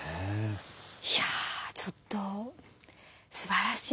いやちょっとすばらしい。